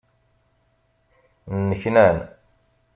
Nneknan.